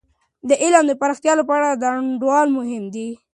د علم د پراختیا لپاره د انډول مهم دی.